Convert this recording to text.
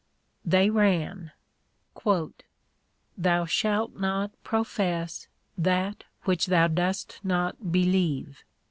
They ran : Thou shalt not profess that which thou dost not believe.